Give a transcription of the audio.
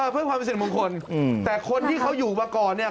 เพื่อความเป็นสิริมงคลแต่คนที่เขาอยู่มาก่อนเนี่ย